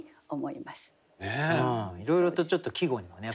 いろいろとちょっと季語にもね